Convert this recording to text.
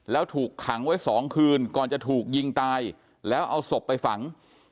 แล้วถูกขังไว้๒คืนก่อนจะถูกยิงตายแล้วเอาศพไปฝัง